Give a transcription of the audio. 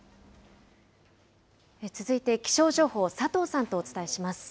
続いて気象情報、佐藤さんとお伝えします。